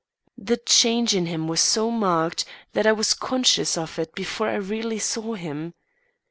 The change in him was so marked that I was conscious of it before I really saw him.